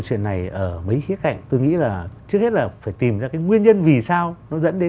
chuyện này ở mấy khía cạnh tôi nghĩ là trước hết là phải tìm ra cái nguyên nhân vì sao nó dẫn đến